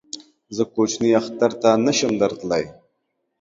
زه کوچني اختر ته نه شم در تللی